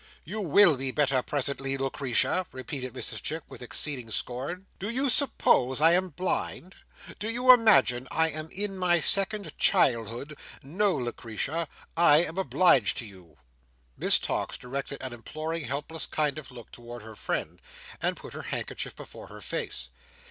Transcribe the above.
"You will be better presently, Lucretia!" repeated Mrs Chick, with exceeding scorn. "Do you suppose I am blind? Do you imagine I am in my second childhood? No, Lucretia! I am obliged to you!" Miss Tox directed an imploring, helpless kind of look towards her friend, and put her handkerchief before her face.